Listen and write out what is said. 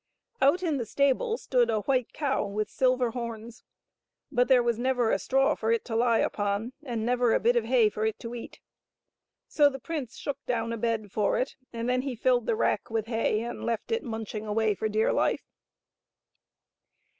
Out in the stable stood a white cow with silver horns ; but there was never a straw for it to lie upon, and never a bit of hay for it to eat. So the prince shook down a bed for it, and then he filled the rack with hay and left it munching away for dear life.